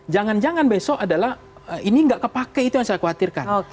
jangan jangan besok adalah ini nggak kepake itu yang saya khawatirkan